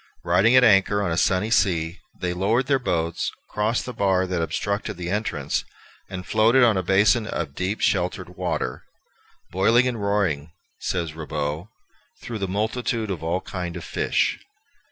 Riding at anchor on a sunny sea, they lowered their boats, crossed the bar that obstructed the entrance, and floated on a basin of deep and sheltered water, "boyling and roaring," says Ribaut, "through the multitude of all kind of fish."